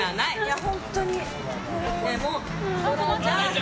本当に。